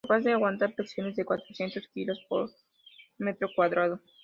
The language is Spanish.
Capaz de aguantar presiones de cuatrocientos kilos por metro cuadrado.